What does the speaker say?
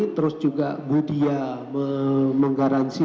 terus juga budia menggaransi